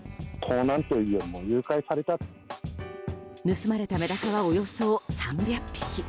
盗まれたメダカはおよそ３００匹。